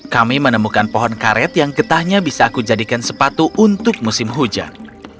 kami menemukan pohon karet yang getahnya bisa aku jadikan sepatu untuk musim hujan